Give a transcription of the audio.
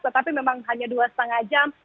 tetapi memang hanya dua lima jam